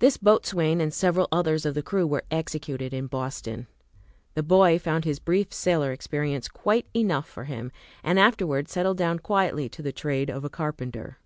This boatswain and several others of the crew were executed in Boston. The boy found his brief sailor experience quite enough for him, and afterward settled down quietly to the trade of a carpenter.